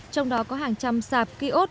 trong đó có hàng trăm sạp ký ốt